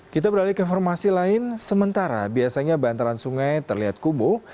kita beralih ke informasi lain sementara biasanya bantaran sungai terlihat kubu